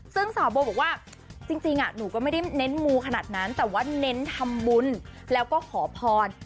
ซึ่งสาวโบบอกว่าจริงหนูก็ไม่ได้เน้นมูขนาดนั้นแต่ว่าเน้นทำบุญแล้วก็ขอพร